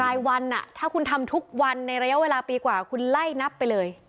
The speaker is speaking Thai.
รายวันถ้าคุณทำทุกวันในระยะเวลาปีกว่าคุณไล่นับไปเลย